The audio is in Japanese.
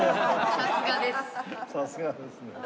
さすがですね。